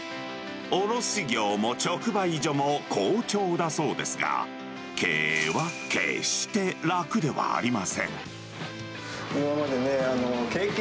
卸業も直売所も好調だそうですが、経営は決して楽ではありま